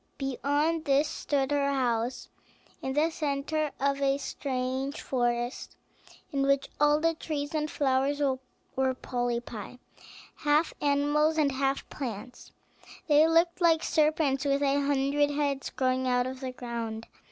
Beyond this stood her house, in the centre of a strange forest, in which all the trees and flowers were polypi, half animals and half plants; they looked like serpents with a hundred heads growing out of the ground.